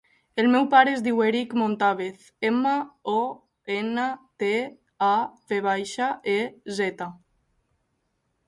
El meu pare es diu Erick Montavez: ema, o, ena, te, a, ve baixa, e, zeta.